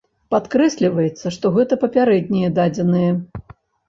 Падкрэсліваецца, што гэта папярэднія дадзеныя.